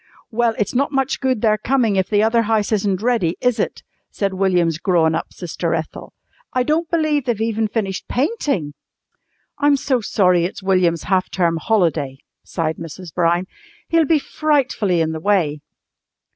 "Well, it's not much good their coming if the other house isn't ready, is it?" said William's grown up sister Ethel. "I don't believe they've even finished painting!" "I'm so sorry it's William's half term holiday," sighed Mrs. Brown. "He'll be frightfully in the way."